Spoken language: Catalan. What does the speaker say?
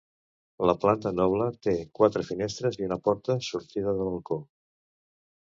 La planta noble té quatre finestres i una porta sortida de balcó.